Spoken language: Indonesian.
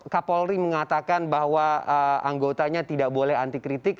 kak polri mengatakan bahwa anggotanya tidak boleh anti kritik